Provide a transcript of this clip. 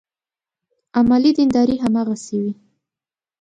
عملي دینداري هماغسې وي.